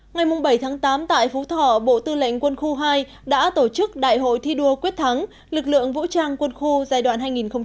ngày bảy tám tại phú thỏ bộ tư lệnh quân khu hai đã tổ chức đại hội thi đua quyết thắng lực lượng vũ trang quân khu giai đoạn hai nghìn một mươi bốn hai nghìn một mươi chín